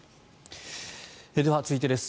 では、続いてです。